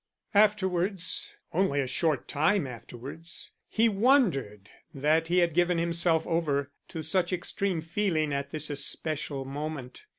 Afterwards, only a short time afterwards, he wondered that he had given himself over to such extreme feeling at this especial moment.